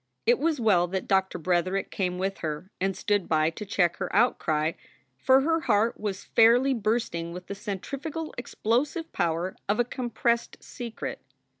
It was well that Doctor Bretherick came with her and stood by to check her outcry, for her heart was fairly bursting with the centrifugal explosive power of a compressed secret.